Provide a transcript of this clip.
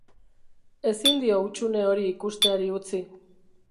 Ezin dio hutsune hori ikusteari utzi.